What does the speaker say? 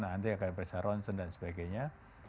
nanti akan bisa ronsen dan sebagainya